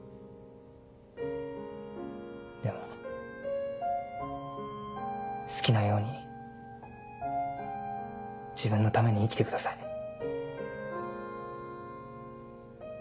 でも好きなように自分のために生きてください。